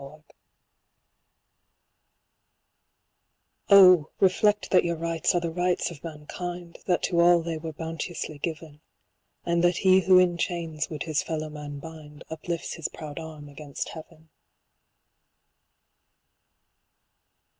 reflect that your rights are the rights of mankind, That to all they were bounteously given ; And that he who in chains would his fellow man bind, Uplifts his proud arm against heaven.